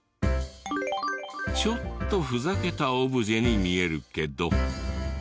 ちょっとふざけたオブジェに見えるけど。